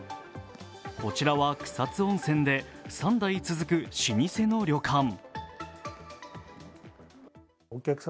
こちらは草津温泉で三代続く老舗の旅館。